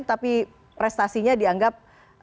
tapi prestasinya dianggap